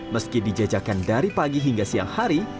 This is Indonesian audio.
meski dijajakan dari pagi hingga siang hari